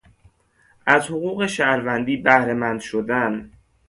از حقوق شهروندی بهره مند شدن